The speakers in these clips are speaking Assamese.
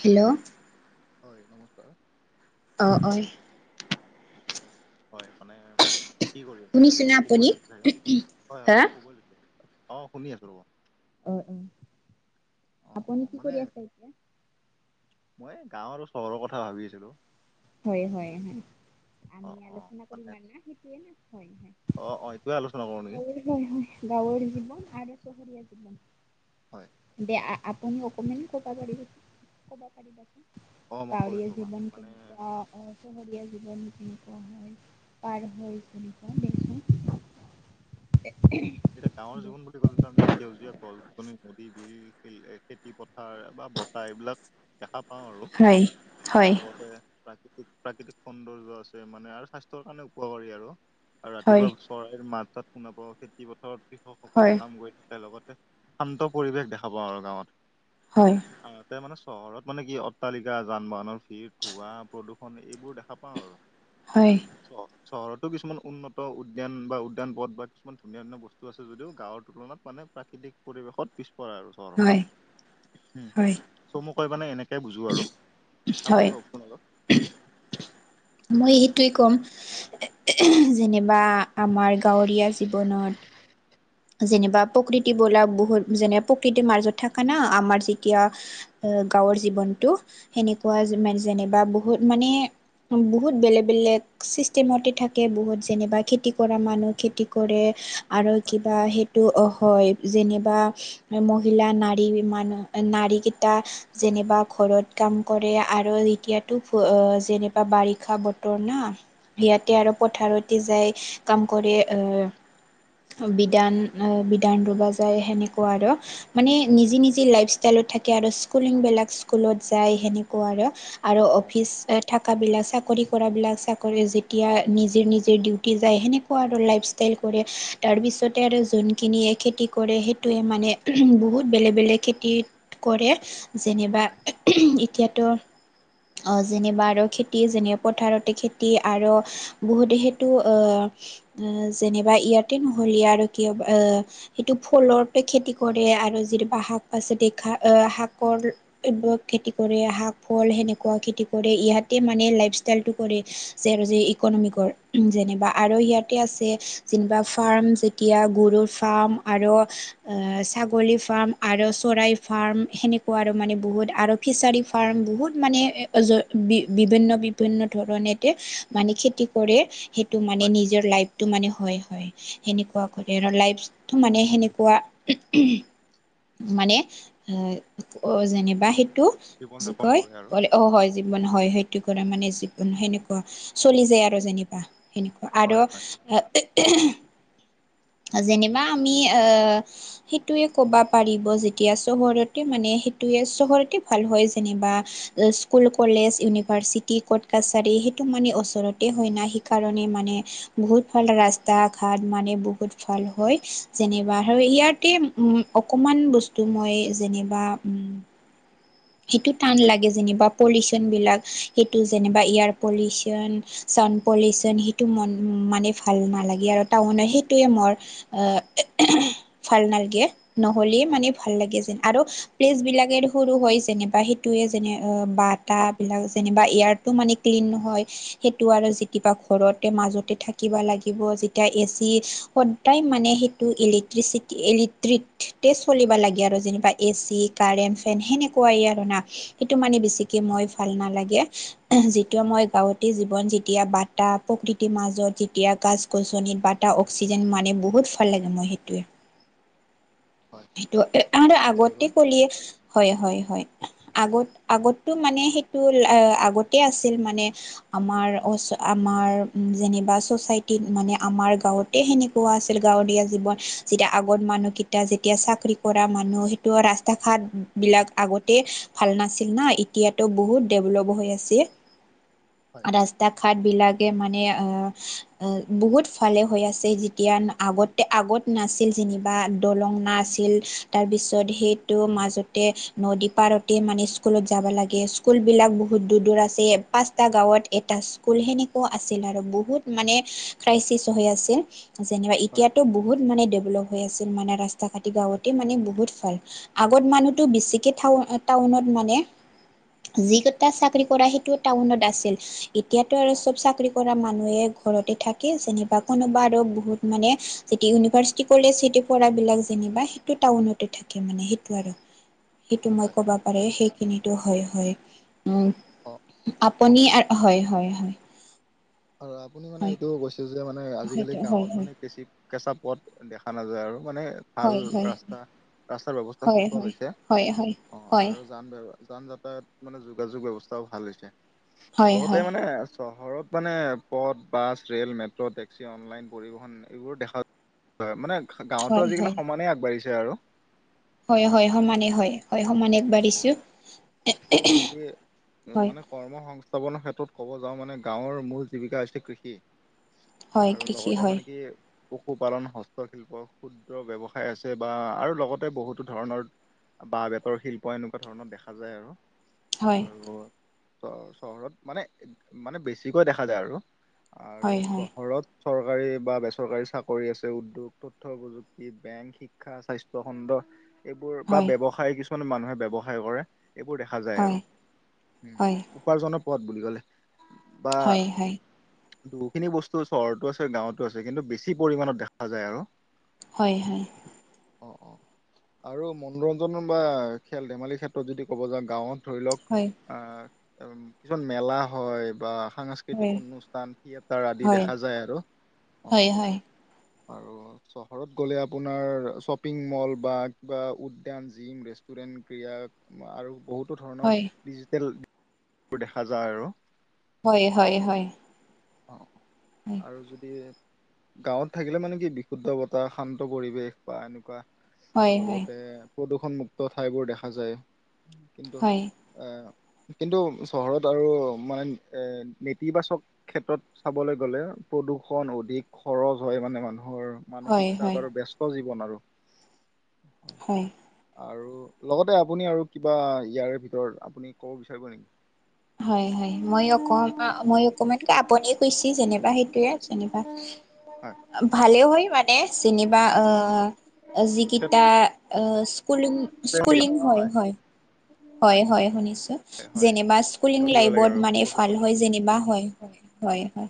হেল্ল', হয় নমস্কাৰ। অ, অয় হয় মানে কি কৰি আছে শুনিছেনে এতিয়াটো আপুনি? শুবই লৈছে হয়- হয় হা? মই শুবই লৈছোঁ। অ, শুনি আছোঁ ৰ'ব। অ', অ', অ অ আপুনি কি মানে কৰি আছে এতিয়া? মই এই গাঁও আৰু চহৰৰ কথা ভাবি আছিলোঁ। হয়- হয় -হয় অ আমি অ আলোচনা কৰিম মানে আৰু না সেইটোৱেই না হয় - হয়। অ', অ', এইটোৱেই আলোচনা কৰো নেকি? গাঁৱৰ হয়- হয় গাঁৱৰ জীৱন আৰু চহৰীয়া জীৱন। হয়। দিয়া আপুনি অকমান ক'ব পাৰিবোন ক'ব পাৰিবচোন অ মই কৈ গাওঁলিয়া আছো ৰ'বা জীৱন মানে কেনেকুৱা চহৰীয়া জীৱন কেনেকুৱা হয় পাৰ হৈ তেনেকুৱা দেছো এতিয়া গাঁৱৰ জীৱন বুলি ক'লে আমি সেউজীয়া গছ গছনিৰ নদী বিল চিল খেতি পথ থাৰ বা বতাহ এইবিলাক দেখা পাওঁ আৰু হয় হয় লগতে প্ৰাকৃতিক -প্ৰাকৃতিক সৌন্দৰ্য্য আছে মানে আৰু স্বাস্থ্যৰ কাৰণে উপকাৰী আৰু ৰাতিপুৱা হয় এইৰ মাত-চাত শুনা পাওঁ খেতি পথাৰত কৃষকসকলে হয় কাম কৰি থাকে লগতে শান্ত পৰিৱেশ দেখা পাওঁ আৰু গাঁৱত। হয়। আহ, তে মানে চহৰত মানে কি অট্টালিকা, যান -বাহনৰ ভিৰ, ধোঁৱা প্ৰদূষণ এইবোৰ দেখা পাওঁ আৰু। হয় চহ চহৰতো কিছুমান উন্নত উদ্যান বা উদ্যান পথ বা ইমান ধুনীয়া ধুনীয়া বস্তু আছে যদিও গাঁৱৰ তুলনাত মানে প্ৰাকৃতি পৰিৱেশত পিছপৰা হয় হয় আৰু চুমো কৈ মানে এনে কে বুজোঁ আৰু হয় আপুনি কওকচোন অলপ মই সেইটোৱেই ক'ম যেনিবা আমাৰ গাঁৱৰীয়া জীৱনত যেনিবা প্ৰকৃতি বোলা বহুত যেনে প্ৰকৃতিৰ মাজত থকা না আমাৰ যেতিয়া গাঁৱৰ জীৱনটো সেনেকুৱা মানে যেনিবা বহুত মানে বহুত বেলেগ বেলেগ চিষ্টেমতে থাকে বহুত যেনিবা খেতি কৰা মানুহ খেতি কৰে আৰু হয় কিবা সেইটো অ হয় যেনিবা মহিলা নাৰী মানুহ নাৰীকেইটা যেনিবা ঘৰত কাম কৰে আৰু এতিয়াতো যেনিবা বাৰিষা ব তৰ না ইয়াতে উম আৰু পথাৰতে যাই কাম কৰে আহ বিধান বিধান ৰুবা যায় সেনেকুৱা আৰু মানে অ নিজে নিজে লাইফ ষ্টাইলত থাকে আৰু স্কুলিংবিলাক স্কুলত যায় সেনেকুৱা আৰু আৰু অ অফিচ থাক থকাবিলাক, চাকৰি কৰাবিলাক চাকৰি যেতিয়া নিজে নিজে ডিউটি যায় সেনেক কোৱা আৰু লাইফষ্টাইল কৰি তাৰপিছতে আৰু যোনখিনিয়ে খেতি কৰে সেইটোৱে মানে বহুত বেলেগ বেলেগ খেতি কৰে যেনিবা হয় এতিয়াতো। যেনিবা আৰু খেতি যেনে পথাৰতে খেতি আৰ বহুতে হেতো আহ যেনিবা ইয়াতে নহলীয়া আৰু কি হ'ব আহ সেইটো ফুলৰতে খেতি কৰে আৰু যেনিবা শাক পাচলি খা আহ শাকৰ এইবোৰক খেতি কৰে শাক ফল সেনেকুৱা খেতি কৰে ইয়াতে মানে লাইফ ষ্টাইলটো কৰে। যে আৰু যে ইকনমিকৰ যেনিবা আৰু ইয়াতে আছে যেনিবা ফাৰ্ম যেতিয়া গৰুৰ ফাৰ্ম আৰু আহ ছাগলী ফাৰ্ম আৰ চৰাই ফাৰ্ম সেনেকুৱা আৰু মানে বহুত আৰু ফিচাৰী ফাৰ্ম বহুত মানে এই য বি বিভিন্ন বিভিন্ন ধৰণ এতে মানে খেতি কৰে সেইটো হয় মানে নিজৰ লাইফটো মানে হয় হয় সেনেকুৱা কৰে আৰু লাইফটো মানে সেনেকুৱা মানে এ যেনিবা সেইটো জীৱন কি যাপন কয় কৰে আৰু কলে অ হয় জীৱন হয় সেইটো কৰা মানে জীৱন সেনেকুৱা চলি যায় আৰু যেনিবা এনেকুৱা আৰু হয় হয়। যেনিবা আমি সেইটোৱে ক'বা পাৰিবা যেতিয়া চহৰতে মানে সেইটোয়ে চহৰতে ভাল হয় যেনিবা। স্কুল, কলেজ, ইউনিভাৰ্চিটি, কৰ্ট কাছাৰী সেইটো মানে ওচৰতে হয় ন সেইকাৰণে মানে বহুত ভাল ৰাস্তা ঘাট মানে বহুত ভাল হয় যেনেবা আৰু ইয়াতে অকণমান বস্তু মই যেনিবা সেইটো টান লাগে যেনিবা পলিউচনবিলাক সেইটো যেনিবা এয়াৰ পলিউচন চাউ পলিচন সেইটো মন মানে ভাল নালাগে আৰু টাউনত সেইটোৱে মৰ আহ ভাল নালগে। নহ'লে হয় মানে ভাল লাগে যেন আৰু প্লেচ বিলাকেৰো সৰু হৈছ যেনিবা সেইটোৱে যেনে বাটাবিলাক যেনিবা এয়াৰটো মানে ক্লিন নহয়। সেইটো আৰু যেনিবা ঘৰতে মাজতে থাকিবা লাগিব যেতিয়া এচি, প্ৰায় মানে সেইটো ইলেক্ট্ৰিচিটি, ইলেক্ট্ৰিতে চলিব লাগে আৰু যেনিবা এচি। কাৰেণ, ফেন সেনেকুৱাই আৰু না সেইটো মানে বেছিকে হয় মই ভাল নালাগে। যেতোয়া মই গাঁৱতে জীৱন যেতিয়া বাটা প্ৰকৃতিৰ মাজত যেতিয়া গাছ গছনিত বাটা অক্সিজেন মানে বহুত ভাল লাগে মই সেইটোৱে। হয় সেইটো আৰু নিশ্চয়কৈ আগতে কলিয়ে হয়-হয়-হয় আগত আগতটো মানে সেইটো আগতে আছিল মানে আমাৰ, আমাৰ যেনিবা ছচাইটিত মানে আমাৰ গাঁৱত। সেনেকুৱা আছিল গাঁৱলীয়া জীৱন যেতিয়া আগত মানুহকেইটা যে এতিয়া চাকৰি কৰা মানুহ সেইটো ৰাস্তা-ঘাট বিলাক আগতে ভাল নাছিল না এতিয়াতো বহুত ডেভলপ হৈ আছে হয়। ৰাস্তা-ঘাট বিলাক। মানে বহুত ফালে হৈ আছে যেতিয়া আগতে আগ নাছিল যেনিবা দলং। আছিল তাৰ পিছত সেইটো মাজতে নদী পাৰতে মানে স্কুলত যাব লাগে স্কুলবিলাক বহুত দূৰ দূৰ আছে পাঁচটা গাঁৱত এটা। ত সেনেকুৱা আছিল আৰু বহুত মানে ক্ৰাইচিছ হৈ আছিল। যেনিবা হয় এতিয়াতো বহুত মানে ডেভেলপ হৈ আছিল মানে ৰাস্তা, ৰাতি গাঁৱতে মানে বহুত ভাল আগত মানুহতটো বেছিকে টান টাউনত মানে, যিকেইটা চাকৰি কৰা সেইটো টাউনত আছিল এতিয়াতো আৰু অ। চব চাকৰি কৰা মানুহে ঘৰতে থাকে যেনিবা কোনোবা আৰু বহুত মানে যেতিয়া ইউনিভাৰ্চিটি, [unintelligible] চিটি পৰা বিলাক যে। যেনিবা সেইটো টাউনতে থাকে মানে সেইটো আৰু সেইটো মই হয় ক'বা পাৰে সেইখিনিত, হয় হয় হয় উম অ আপুনি হয় হয় হয়। আৰু আপুনি মানে হয় এইটো কৈছে যে মানে আজিকালি সেইটো হয় গাঁৱত হয় মানে কৃষি। কেঁচা পথ দেখা নাযায় আৰু মানে, ভাল হয় হয় ৰাস্তা ৰাস্তাৰ ব্যৱস্থা হয় হয় সুচল হৈছে হয় হয় অঁ আৰু হয় যান ব্য, যান যাতায়ত মানে যোগাযোগ ব্যৱস্থাও ভাল হৈছে হয় হয় লগতে মানে চহৰত, মানে পথ bus, rail, metro, taxi, online পৰিবহন এইবোৰ দেখা, হয় মানে গাঁৱতো হয় আজিকালি হয় সমানেই আগবাঢ়িছে আৰু হয় হয় সমানে হয় হয় সমানে অ। আগবাঢ়িছো। অ যদি হয় মানে কৰ্ম সংস্থাপনৰ ক্ষেত্ৰত ক'ব যাওঁ মানে গাঁৱৰ মূল জীৱিকা হৈছে কৃষি। হয় আৰু কৃষি লগতে হয় মানে কি পশুপালন, হস্তশিল্প ক্ষুদ্ৰ ব্যৱসায় আছে বা আৰু লগতে বহুতো ধৰণৰ, বা বেতৰ শিল্প এনেকুৱা ধৰণৰ দেখা যায় আৰু হয় আৰু চ চহৰত মানে মানে বেছিকৈ দেখা যায় আৰু আৰু হয় হয় চহৰত। চৰকাৰী বা বেচৰকাৰী চাকৰি আছে উদ্যোগ তথ্য প্ৰযুক্তি, বেংক শিক্ষা, স্বাস্থ্য খণ্ড। এইবোৰ বা হয় ব্যৱসায় কিছুমান মানুহে ব্যৱসায় কৰে এইবোৰ দেখা, দে যায় হয় আৰু হয় উপাৰ্জনৰ পথ বুলি ক'লে বা, হয় হয় বহখিনি বস্তু চহৰতো আছে গাঁৱতো আছে কিন্তু বেছি পৰিমাণত দেখা যায় আৰু হয় হয়। অ অ আৰু মনোৰঞ্জন বা খেল ধেমালিৰ ক্ষেত্ৰত যদি। ক'ব যাওঁ গাঁৱত ধৰি লওক। হয়। অ কিছুমান মেলা হয় বা সাংস্কৃতিক সংস্কৃতিক হয় অনুষ্ঠান থিয়েটাৰ আদি হয় দেখা যায় আৰু অ হয় হয় আৰু চহৰত গ'লে আপোনাৰ শ্বপিং মল বা কিবা উদ্যান জিম ৰেষ্টুৰেণ্ট ক্ৰীড়াক। আৰু বহুতো ধৰণৰ হয় ডিজিটেলোৰ দেখা যায় আৰু হয় হয় হয়। অ আৰু যদি গাঁৱত থাকিলে মানে কি বিশুদ্ধ বতাহ, শান্ত পৰিৱেশ বা এনেকুৱা হয় লগতে প্ৰদূষণমুুক্ত ঠাইবোৰ দেখা যায়। কিন্তু আ কিন্তু চহৰত আৰু মানে এ নেতিবাচক। ক্ষেত্ৰত চাবলৈ গ'লে প্ৰদূষণ অধিক খৰচ হয় মানে মানুহৰ। হয় মানসিক চাপ আৰু বস্ত জীৱন আৰু হয়। আৰু লগতে আপুনি আৰু কিবা ইয়াৰে ভিতৰত আপুনি ক'ব বিচাৰিব নেকি? হয়, হয় মই অক মই অকমাণ আপুনি কৈছি যেনিবা সেই সেয়াই যেনিবা। হয় ভালে হয় মানে যেনিবা আ যিকিটা আ স্কুলিং, স্কুলিং হয়, হয়। হয়, হয় শুনিছো। হয় যেনিবা স্কুলিং দিব লাগে লাইবত আৰু মানে ভাল প্ৰদূষণ হয়। যেনিবা হয়, হয়, হয়, হয়।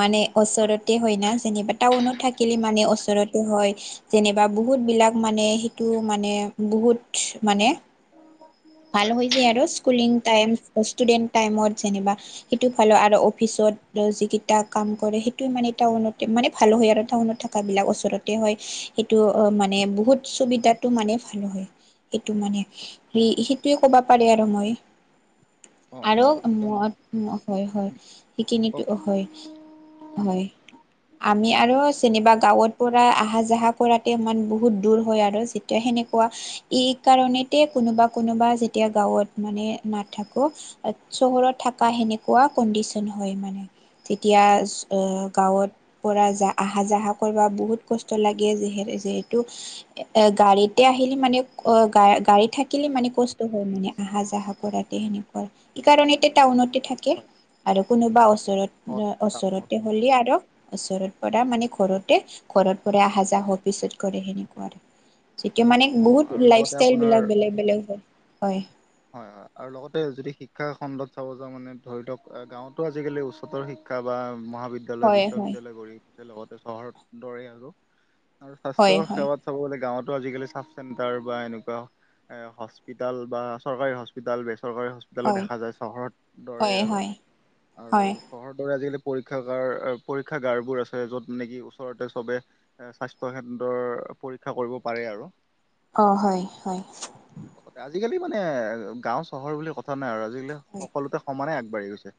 মানে হয় ওচৰতে হৈ না যেনিবা টাউনত থাকিলে মানে ওচৰতে হয়। যেনিবা বহুতবিলাক মানে সেইটো মানে বহুত মানে ভাল হয় হৈ যায় আৰু স্কুলিং টাইম, ষ্টুডেণ্ট টাইমত যেনিবা সেইটো ভাল হয় আৰু অফিচত যিকিটা কাম কৰে সেইটো মানে টাউনতে মানে ভাল হয় আৰু টাউনত থাক থাকাবিলাক ওচৰতে হয়। সেইটো মানে বহুত চুবিদাটো মানে ভাল হয়। সেইটো মানে সেই সেইটোৱেই ক'ব পাৰে আৰু মই। অ অ আৰু ম একদম হয়, হয় সেইখিনিতো কওক কওক হয়। হয়। আমি আৰু যেনিবা গাঁৱত পৰা আহা যাহা কৰাতে ইমান বহুত দূৰ হয় আৰু এতিয়া সেনেকুৱা এই কাৰণেতে কোনোবা কোনোবা যেতিয়া গাঁৱত মানে নাথাকো চহৰত থকা সেনেকুৱা কণ্ডিচন হয় মানে তে অ গাঁৱত পৰা যা আহা যাহা কৰবা বহুত কষ্ট লাগে যিহ যিহেতু এ গাড়ীতে আহিলি মানে অ গ গাড়ী থাক কিলি মানে কষ্ট হয় মানে আহা যাহা কৰাতে সেনেকুৱা। এই কাৰণে এতিয়া টাউনতে থাকে হয় আৰু কোনোবা ওচৰত অ তাপ ওচৰতে হলি আৰু ওচৰত পৰা মানে ঘৰতে ঘৰত পৰা আহা যাহ পিছত কৰে সেনেকুৱা। এইটো মানে অ বহুত আৰু লাইফ লগতে ষ্টাইল আপোনাৰ বিলাক বেলেগ বেলেগ হয়, হয়। হয়, হয় আৰু লগতে যদি শিক্ষা খণ্ডত চাব যাওঁ মানে ধৰি লওক গাঁৱতো আজি-কালি উচ্চতৰ শিক ক্ষা বা মহাবিদ বিদ্যালয়, হয় হয় বিশ্ববিদ্যালয় গঢ়ি উঠে লগতে চহৰৰ দৰে আৰু স্বাস্থ্য হয় হয় সেৱাত চাব গ'লে গাঁৱতো আজি-কালি চাব চেণ্টাৰ বা এনেকুৱা এ হস্পিতাল বা চৰকাৰী হস্পিটাল, বেচৰকাৰী হস্পিটালো হয় দেখা যায় চহৰত দৰে হয় হয় আৰু। হয় আৰু হয় চহৰৰ দৰে আজি-কালি পৰীক্ষাগাৰ পৰীক্ষাগাৰবোৰ আছে য'ত নেকি ওচৰতে চবে এ স্বাস্থ্য কেন্দ্ৰৰ পৰীক্ষা কৰিব পাৰে আৰু। অ, হয়, হয়। সদাই আজি-কালি মানে গাঁও, চহৰ বুলি কথা নাই আৰু আজি-কালি সকলোতে সমানে আগবাঢ়ি গৈছে।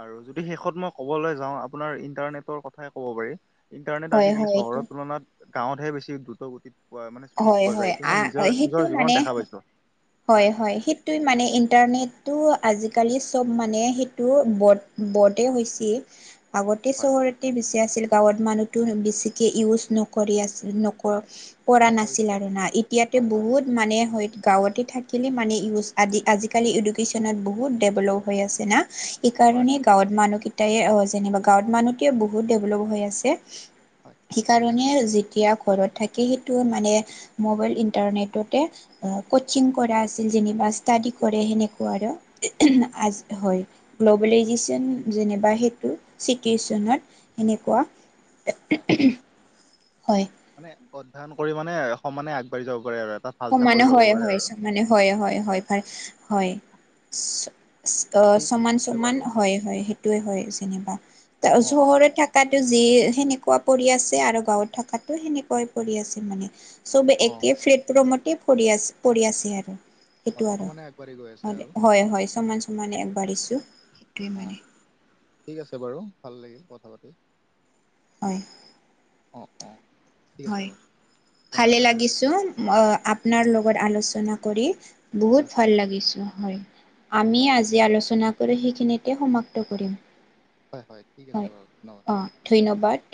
আৰু যদি শেষত মই ক'বলৈ যাওঁ আপোনাৰ ইণ্টাৰনেটৰ কথাই ক'ব পাৰি। ইণ্টাৰনেট হয় হয় আজি-কালি হয় এইটো চহৰৰ তুলনাত গাওঁতহে বেছি দ্ৰুতগতিত পোৱা মানে স্পীড হয় পোৱা যায়। হয় এইটো আ মই নিজৰ নিজৰ সেইটো জীৱনত মানে দেখা পাইছো। হয়, হয় সিত টোই মানে ইণ্টাৰনেটটো আজি-কালি চব মানে সেইটো বড বডেই হৈছি। আগতে হয় চহৰতে বেছি আছিল গাঁৱত মানুহ টো বেছিকে ইউজ নকৰি আছিল, কৰা নাছিল নকৰিছিলে আৰু না এতিয়াতো হয় হয় বহুত মানে হয় গাঁৱতে থাকিলে মানে ইউজ আজি-কালি এডুকেশ্বনত বহুত দেভলপ হৈ আছে না। হয় সেইকাৰণে গাঁৱত মানুহকেইটাই অ, যেনিবা গাঁৱত মানুহ কিয় বহুত ডেভলপ হৈ আছে। হয় সিকাৰণ মানে যেতিয়া ঘৰত থাকি সেইটোও মানে মোবাইল ইণ্টাৰনেটতে ক চিং কৰা আছিল যেনিবা ষ্টাডী কৰে সেনেকুৱা আৰু আজ হয়। গ্ল'বেলাইজিশ্যন যেনিবা সেইটো চিটুৱেচনত সেনেকুৱা। হয়। হয়। মানে অধ্যয়ন কৰি মানে সমানে আগবাঢ়ি যাব পাৰে আৰু এতাত। হোম মানে হয়- হয় চব মানে হয় -হয়- হয় এবাৰ হয় [unintelligible] ঠিক ত'চমান- আছে চমান বাৰু হয়- হয় সেইটোই হয় যেনিবা ত অ 'চহৰত অ থাক তাতো যি সেনেকুৱা পৰি আছে আৰু গাঁৱত থকাতো সেনেকুৱাই পৰি আছে মানে। চবে অ একেই ফ্লেটবোৰৰ মতে পৰি আছে -পৰি আছে আৰু। হয় সেইটো আৰু সমানে আগবাঢ়ি গৈ আছে আৰু হয়- হয় চমান চমানে আগবাঢ়িছোঁ। অ, মানে ঠিক আছে বাৰু ভাল লাগিল কথা পাতি। হয়। অ', অ', ঠিক আছে হয বাৰু ভালে ধন্যবাদ লাগিছো। ম, আপনাৰ লগত আলোচনা কৰি হয় বহুত ভাল লাগিছো হয়। আমি হয় আজি আলোচনা কৰি সেইখিনিতে সমাপ্ত কৰিম। হয় -হয় ঠিক আছে বাৰু ন? অ ধন্যবাদ।